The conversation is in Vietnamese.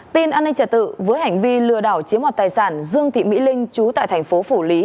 tin an ninh trả tự với hành vi lừa đảo chiếm hoạt tài sản dương thị mỹ linh trú tại thành phố phủ lý